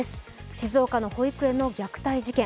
静岡の保育園の虐待事件。